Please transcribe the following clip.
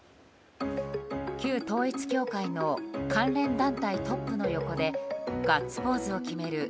旧統一教会の関連団体トップの横でガッツポーズを決める